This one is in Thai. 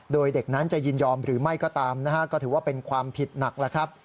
โดยเด็กนั้นจะยินยอมหรือไม่ก็ตามนะฮะก็ถือว่าเป็นความผิดหนักแล้วครับ